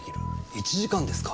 １時間ですか？